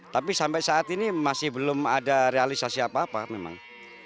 tapi sampai saat ini masih belum ada realisasi apa apa memang